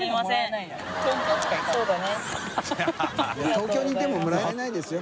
東京にいてももらえないですよ。